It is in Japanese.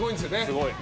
すごい。